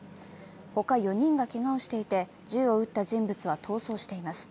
他４人がけがをしていて、銃を撃った人物は逃走しています。